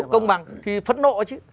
công bằng thì phấn nộ chứ